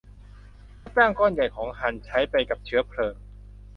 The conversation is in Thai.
ค่าจ้างก้อนใหญ่ของฮันใช้ไปกับเชื้อเพลิง